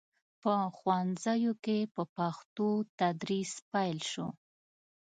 په ښوونځیو کې په پښتو تدریس پیل شو.